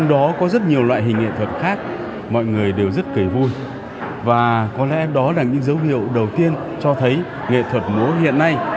đó là những dấu hiệu đầu tiên cho thấy nghệ thuật múa hiện nay